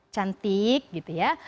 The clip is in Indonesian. cantik gitu ya